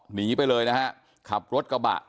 หนีไปเลยนะครับ